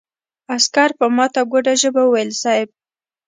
عسکر په ماته ګوډه ژبه وويل: صېب!